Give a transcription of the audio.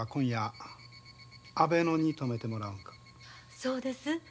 そうです。